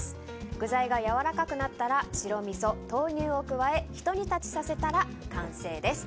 具材が柔らかくなったら白みそ、豆乳を加えてひと煮立ちさせたら完成です。